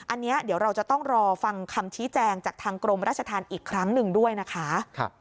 อันนี้เดี๋ยวเราจะต้องรอฟังคำชี้แจงจากทางกรมราชธรรมอีกครั้งหนึ่งด้วยนะคะ